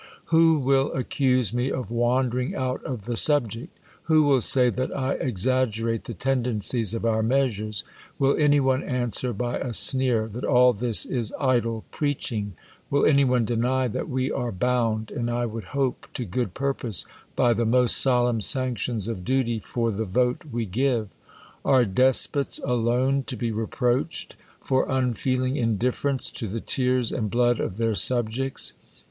Who will accuse me of wandering out of the subject ? Who v.ill say that I exaggerate the tendencies of our iheasures ? Will any one answer by a sneer, that all this is idle preaching ? Will any one deny that we are bound, and I would hope to good purpose, by the most solemn sanctions of duty for the vote we give ? Are despots alone to be reproached for unfeeling indiirerence to the tears and blood of their subjects